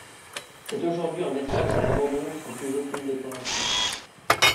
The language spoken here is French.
C'est aujourd'hui un espace à l'abandon sans plus aucune décoration.